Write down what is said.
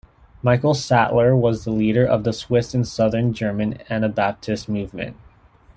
Michael Sattler was the leader of the Swiss and southern German Anabaptist movement.